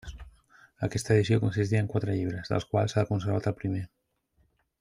Aquesta edició consistia en quatre llibres, dels quals s’ha conservat el primer.